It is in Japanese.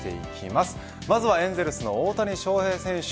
まずはエンゼルスの大谷翔平選手